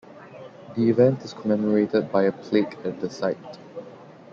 The event is commemorated by a plaque at the site.